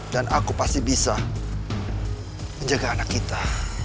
dan aku pasti bisa menjaga anak kita